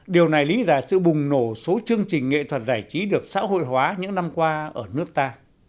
điều này lý giải sự bùng nổ số chương trình nghệ thuật giải trí được xã hội hóa những năm qua ở nước ta